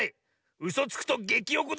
うそつくと「げきおこ」だぞ！